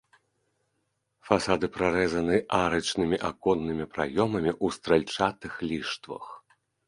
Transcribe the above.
Фасады прарэзаны арачнымі аконнымі праёмамі ў стральчатых ліштвах.